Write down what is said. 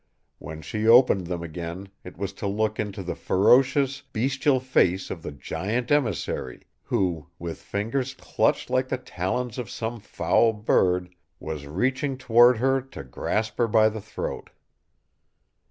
When she opened them again it was to look into the ferocious, bestial face of the giant emissary who, with fingers clutched like the talons of some foul bird, was reaching toward her to grasp her by the throat.